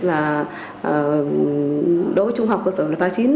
là đối với trung học cơ sở là ba mươi chín